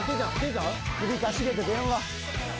首かしげて電話。